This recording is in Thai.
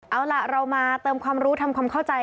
เอาล่ะเรามาเติมความรู้ทำความเข้าใจ